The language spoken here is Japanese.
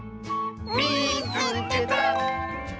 「みいつけた！」。